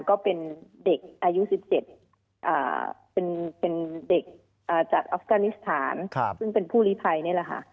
ก็เป็นเด็กอายุ๑๗เป็นเด็กจากออฟกานิสถานซึ่งเป็นผู้ลิภัยนี่แหละค่ะ